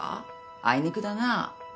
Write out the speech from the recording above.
あいにくだな。